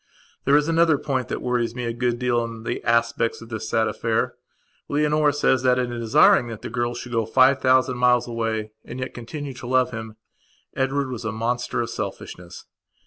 There is another point that worries me a good deal in the aspects of this sad affair. Leonora says that, in desiring that the girl should go five thousand miles away and yet continue to love him, Edward was a monster of selfishness.